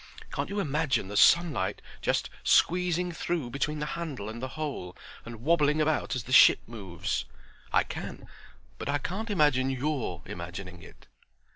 Can't you imagine the sunlight just squeezing through between the handle and the hole and wobbling about as the ship moves?" "I can, but I can't imagine your imagining it."